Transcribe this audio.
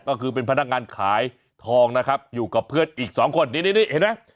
ก็คือเป็นพนักงานขายทองนะครับอยู่กับเพื่อนอีกสองคนนี่นี่เห็นไหม